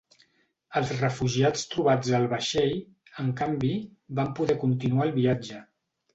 Els refugiats trobats al vaixell, en canvi, van poder continuar el viatge.